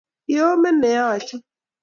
Kiome ne ache?